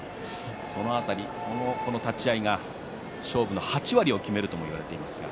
その辺り、立ち合いが勝負の８割を決めると言われています。